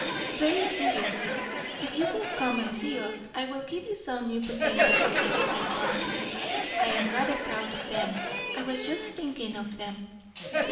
"Very seriously. If you will come and see us, I will give you some new potatoes of my planting. I am rather proud of them. I was just thinking of them."